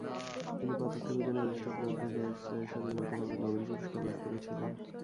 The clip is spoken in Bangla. তিনি পদার্থবিজ্ঞানী গুস্টাফ লুটভিগ হের্ৎস-এর সাথে যৌথভাবে নোবেল পুরস্কার লাভ করেছিলেন।